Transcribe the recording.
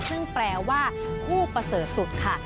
ซึ่งแปลว่าผู้ปเศรษฐสุขค่ะ